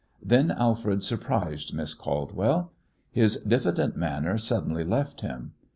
Then Alfred surprised Miss Caldwell. His diffident manner suddenly left him.